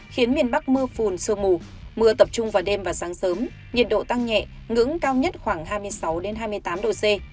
khiến miền bắc mưa phùn sương mù mưa tập trung vào đêm và sáng sớm nhiệt độ tăng nhẹ ngưỡng cao nhất khoảng hai mươi sáu hai mươi tám độ c